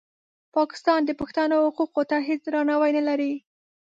پاکستان د پښتنو حقوقو ته هېڅ درناوی نه لري.